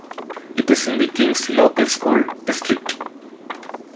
It is in the Kings Local School District.